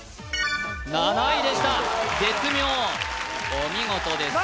７位でした絶妙お見事です